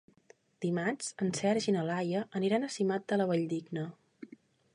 Dimarts en Sergi i na Laia aniran a Simat de la Valldigna.